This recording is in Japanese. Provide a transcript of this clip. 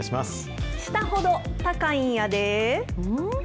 下ほど高いんやで。